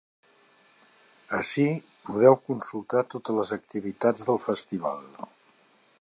Ací podeu consultar totes les activitats del festival.